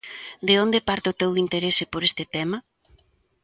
De onde parte o teu interese por este tema?